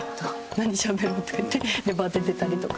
何しゃべろうとかいってバーッて出たりとか。